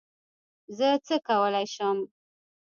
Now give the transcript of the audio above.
زه څه کولی شم؟